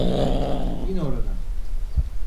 İn oradan!